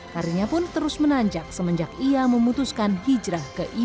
harinya pun terus menanjak semenjak ia memutuskan hijrah ke ibu